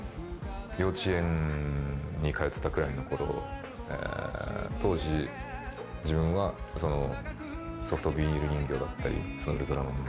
幼稚園に通ってたぐらいのころ、当時、自分はそのソフトビニール人形だったり、ウルトラマンの。